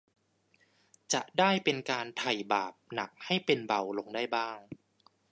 จะได้เป็นการไถ่บาปหนักให้เป็นเบาลงได้บ้าง